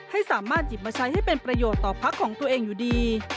ให้สามารถหยิบมาใช้ให้เป็นประโยชน์ต่อพักของตัวเองอยู่ดี